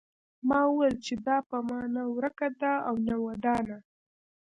ما وویل چې دا په ما نه ورکه ده او نه ودانه ده.